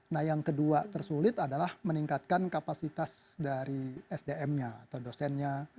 nah yang kedua tersulit adalah meningkatkan kapasitas dari sdm nya atau dosennya